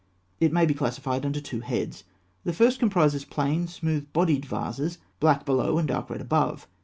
It may be classified under two heads. The first comprises plain, smooth bodied vases, black below and dark red above.